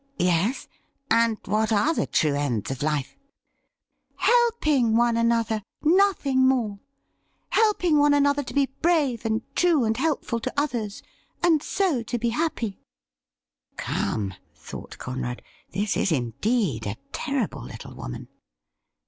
' Yes ?— and what are the true ends of life .?' 'Helping one another — nothing more. Helping one another to be brave and true and helpful to others, and so to be happy.' ' Come,' thought Conrad, ' this is indeed a terrible little woman.'